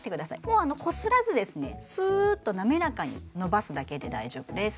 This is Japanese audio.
もうこすらずスーッと滑らかにのばすだけで大丈夫です